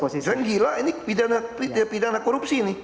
saya gila ini pidana korupsi ini